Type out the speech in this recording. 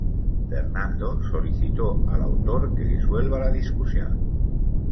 Fernando solicitó al autor que disuelva la discusión.